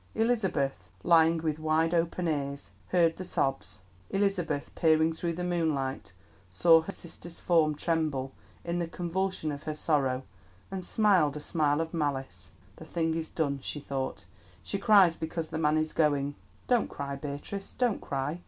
Elizabeth, lying with wide open ears, heard the sobs. Elizabeth, peering through the moonlight, saw her sister's form tremble in the convulsion of her sorrow, and smiled a smile of malice. "The thing is done," she thought; "she cries because the man is going. Don't cry, Beatrice, don't cry!